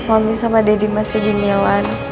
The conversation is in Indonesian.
kalau sama deddy masih di milan